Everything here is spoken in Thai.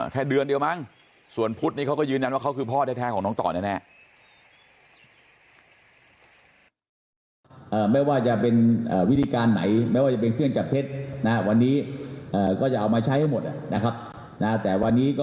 แค่เดือนเดียวมั้งส่วนพุทธนี่เขาก็ยืนยันว่าเขาคือพ่อแท้ของน้องต่อแน่